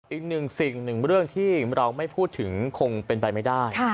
อีกหนึ่งสิ่งหนึ่งเรื่องที่เราไม่พูดถึงคงเป็นไปไม่ได้